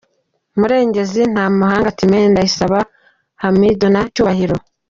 Murengezi, Ntamuhanga Tumene, Ndayisaba Hamidu na Cyubahiro.